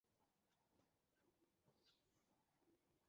পরে তোর হিসেব আমি করব।